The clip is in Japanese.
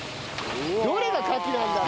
どれがカキなんだろう？